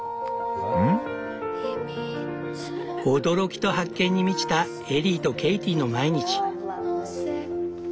驚きと発見に満ちたエリーとケイティの毎日。